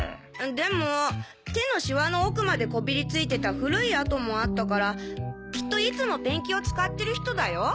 でも手のシワの奥までこびり付いてた古い跡もあったからきっといつもペンキを使ってる人だよ。